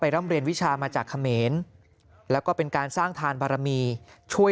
ร่ำเรียนวิชามาจากเขมรแล้วก็เป็นการสร้างทานบารมีช่วย